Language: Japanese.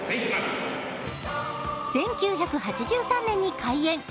１９８３年に開園。